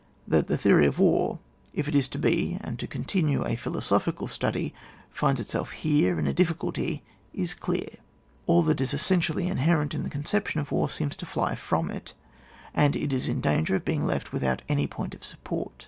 That the theory of war, if it is to be and to continue a philosophical study, finds itself here in a difficulty is dear. All that is essentially inherent in the conception of war seems to fly from it, and it is in danger of being left with out any point of support.